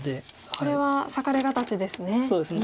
これは裂かれ形ですね。